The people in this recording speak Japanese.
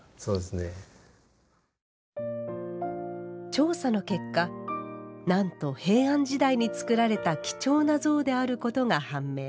調査の結果なんと平安時代に作られた貴重な像であることが判明。